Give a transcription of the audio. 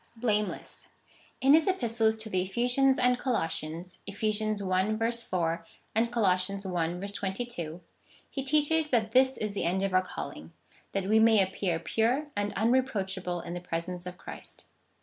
Blameless. In his Epistles to the Ephesians and Colossians (Eph. i. 4, and Col. i. 22) he teaches that this is the end of our calling — that we may appear pure and unreproachable in the presence of Christ.